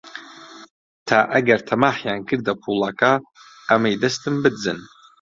تا ئەگەر تەماحیان کردە پووڵەکە، ئەمەی دەستم بدزن